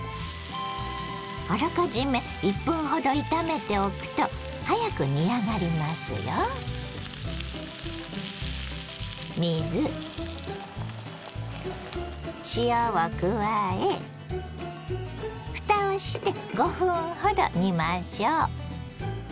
あらかじめ１分ほど炒めておくと早く煮上がりますよ。を加えふたをして５分ほど煮ましょう。